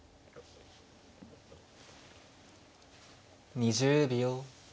２０秒。